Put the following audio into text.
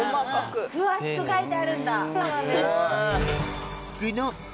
詳しく書いてあるんだ。